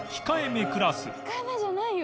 控えめじゃないよ。